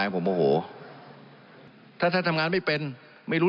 อุ้ยไปเปรียบเที่ยวมันยังไม่โกรธตายหรอ